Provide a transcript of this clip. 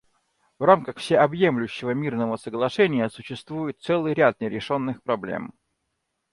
В рамках Всеобъемлющего мирного соглашения существует целый ряд нерешенных проблем.